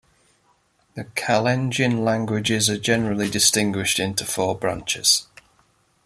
The Kalenjin languages are generally distinguished into four branches.